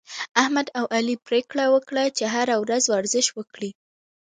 احمد او علي پرېکړه وکړه، چې هره ورځ ورزش وکړي